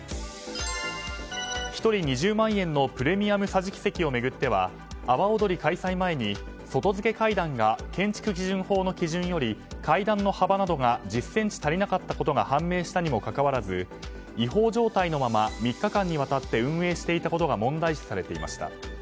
１人２０万円のプレミアム桟敷席を巡っては阿波おどり開催前に外付け階段が建築基準法の基準より階段の幅などが１０ｃｍ足りなかったことが判明したにもかかわらず違法状態のまま３日間にわたって運営していたことが問題視されていました。